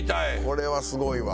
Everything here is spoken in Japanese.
これはすごいわ。